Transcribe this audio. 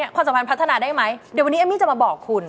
ความสัมพันธ์พัฒนาได้ไหมเดี๋ยววันนี้เอมมี่จะมาบอกคุณ